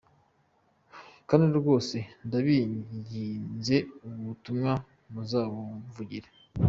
Kandi rwose ndabinginze, ubu butumwa muzabumvugire.